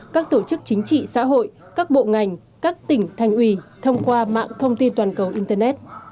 các tổ chức chính trị xã hội các bộ ngành các tỉnh thành ủy thông qua mạng thông tin toàn cầu internet